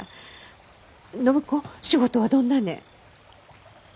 暢子仕事はどんなねぇ？